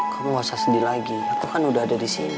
kamu nggak usah sedih lagi atau kan udah ada di sini